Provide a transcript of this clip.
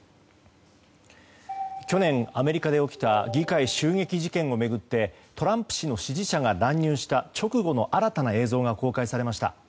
去年、アメリカで起きた議会襲撃事件を巡ってトランプ氏の支持者が乱入した直後の新たな映像が公開されました。